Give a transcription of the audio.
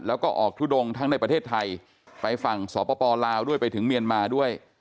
แล้วก็ออกทุดงทั้งในประเทศไทยไปฝั่งสปลาวด้วยไปถึงเมียนมาด้วย